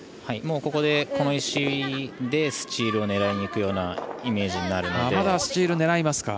もうここで、この石でスチールを狙いにいくようなイメージになるなと。